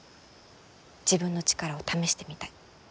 自分の力を試してみたい。